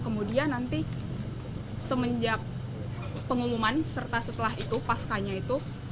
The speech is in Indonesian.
kemudian nanti semenjak pengumuman serta setelah itu pascanya itu